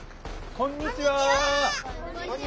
こんにちは！